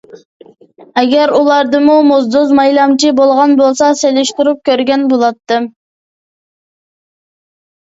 ئەگەر ئۇلاردىمۇ موزدۇز، مايلامچى بولغان بولسا سېلىشتۇرۇپ كۆرگەن بولاتتىم.